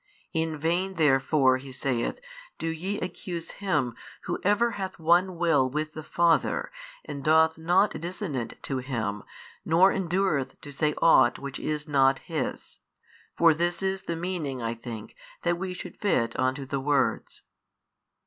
In vain therefore (He saith) do ye accuse Him Who ever hath One Will with the Father and doth nought dissonant to Him nor endureth to say ought which is not His. For this is the meaning I think that we should fit on to the words.